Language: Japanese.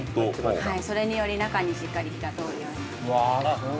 それにより中にしっかり火が通るように。